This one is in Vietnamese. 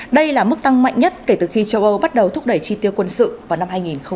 đây là mức tăng mạnh nhất kể từ khi châu âu bắt đầu thúc đẩy chi tiêu quân sự vào năm hai nghìn một mươi năm